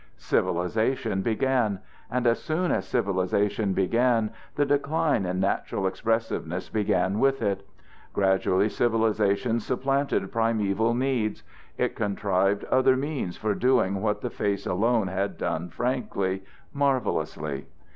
Civilization began, and as soon as civilization began, the decline in natural expressiveness began with it. Gradually civilization supplanted primeval needs; it contrived other means for doing what the face alone had done frankly, marvelously.